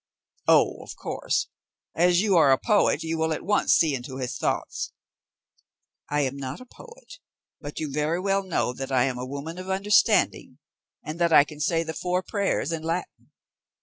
"Oh, of course; as you are a poet you will at once see into his thoughts." "I am not a poet, but you well know that I am a woman of understanding, and that I can say the four prayers in Latin."